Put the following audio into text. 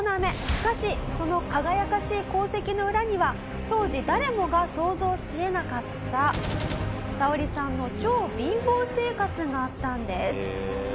しかしその輝かしい功績の裏には当時誰もが想像し得なかったサオリさんの超貧乏生活があったんです。